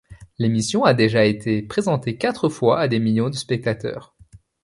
L'émission a déjà été présentée quatre fois à des millions de téléspectateurs.